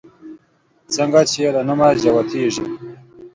څنگه چې يې له نومه جوتېږي